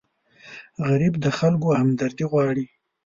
غریب د خلکو همدردي غواړي